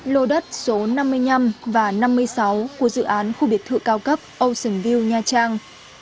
lô đất số năm mươi năm và năm mươi sáu của dự án khu biệt thự cao cấp ocean view nha trang